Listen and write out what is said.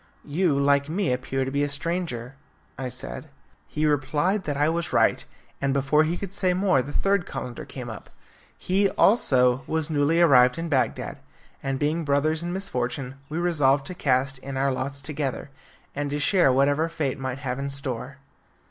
"You, like me, appear to be a stranger," I said. He replied that I was right, and before he could say more the third calender came up. He, also, was newly arrived in Bagdad, and being brothers in misfortune, we resolved to cast in our lots together, and to share whatever fate might have in store.